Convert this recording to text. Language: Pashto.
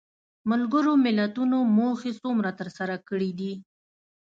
ملګرو ملتونو موخې څومره تر سره کړې دي؟